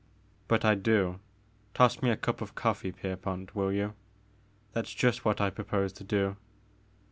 " But I do, — toss me a cup of coffee, Pierpont, will you, — ^that *s just what I propose to do.